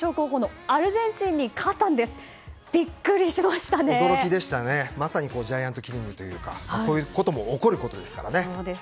驚きでしたね、まさにジャイアントキリングというかこういうことも起こることですから。